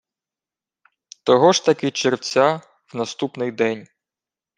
Того ж таки червця, в наступний день